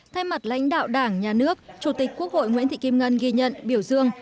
thay mặt lãnh đạo đảng nhà nước chủ tịch quốc hội nguyễn thị kim ngân ghi nhận biểu dương